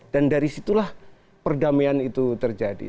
dan dari situlah perdamaian itu terjadi